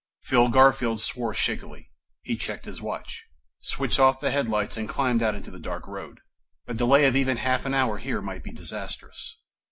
Phil Garfield swore shakily. He checked his watch, switched off the headlights and climbed out into the dark road. A delay of even half an hour here might be disastrous.